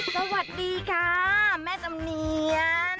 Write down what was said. สวัสดีค่ะแม่จำเนียน